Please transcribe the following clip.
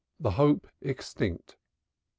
THE HOPE EXTINCT.